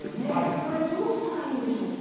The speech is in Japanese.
これどうしたらいいんでしょうか？